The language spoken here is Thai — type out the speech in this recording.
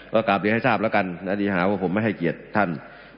ก็กลับเรียนให้ทราบแล้วกันอดีหาว่าผมไม่ให้เกียรติท่าน